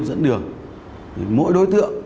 dẫn đường mỗi đối tượng